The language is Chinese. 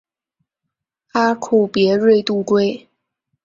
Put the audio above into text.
阿库别瑞度规。